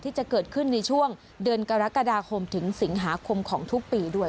ที่จะเกิดขึ้นในช่วงเดือนกรกฎาคมถึงสิงหาคมของทุกปีด้วย